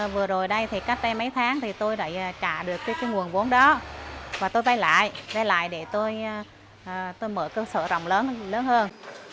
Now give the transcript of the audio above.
vừa rồi đây cách đây mấy tháng tôi đã trả được cái nguồn vốn đó và tôi vay lại để tôi mở cơ sở rộng lớn hơn